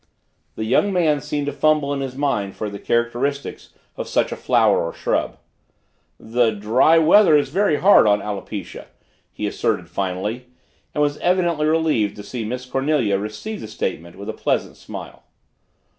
The young man seemed to fumble in his mind for the characteristics of such a flower or shrub. "The dry weather is very hard on alopecia," he asserted finally, and was evidently relieved to see Miss Cornelia receive the statement with a pleasant smile.